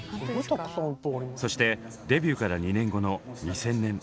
そしてデビューから２年後の２０００年。